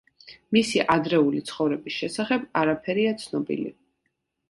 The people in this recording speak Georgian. მისი ადრეული ცხოვრების შესახებ არაფერია ცნობილი.